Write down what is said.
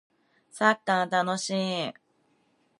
サッカー楽しい